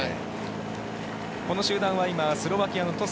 この集団はスロバキアのトス。